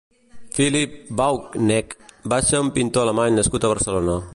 Philipp Bauknecht va ser un pintor alemany nascut a Barcelona.